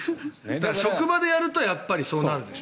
職場でやるとやっぱりそうなるでしょ。